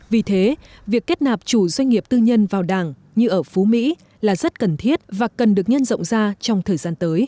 vì thế việc kết nạp chủ doanh nghiệp tư nhân vào đảng như ở phú mỹ là rất cần thiết và cần được nhân rộng ra trong thời gian tới